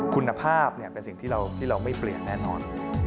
คุณภาพเป็นสิ่งที่เราไม่เปลี่ยนแน่นอน